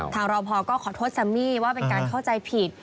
รอพอก็ขอโทษแซมมี่ว่าเป็นการเข้าใจผิด